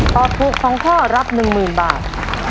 ตอบถูก๒ข้อรับ๑๐๐๐บาท